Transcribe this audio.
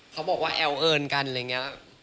เขาบอกว่าแอลเอิญกันอะไรอย่างนี้